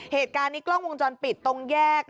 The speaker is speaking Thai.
เหตุการณ์นี้กล้องวงจรปิดตรงแยก